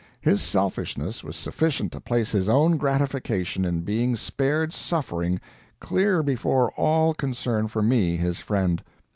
His selfishness was sufficient to place his own gratification in being spared suffering clear before all concern for me, his friend.